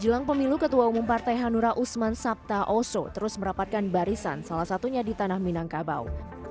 jelang pemilu ketua umum partai hanura usman sabta oso terus merapatkan barisan salah satunya di tanah minangkabau